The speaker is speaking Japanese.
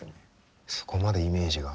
そこまでイメージが。